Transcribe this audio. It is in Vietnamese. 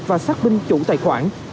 và xác binh chủ tài khoản